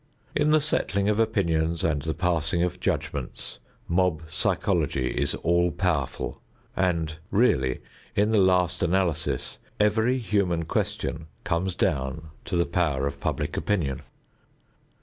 In the settling of opinions and the passing of judgments, mob psychology is all powerful and really, in the last analysis, every human question comes down to the power of public opinion.